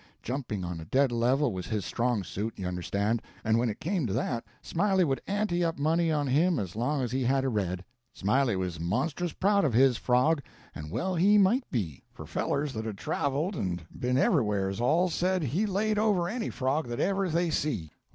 Jumping on a dead level was his strong suit, you understand; and when it came to that, Smiley would ante up money on him as long as he had a red. Smiley was monstrous proud of his frog, and well he might be, for fellers that had travelled and been everywheres all said he laid over any frog that ever they see.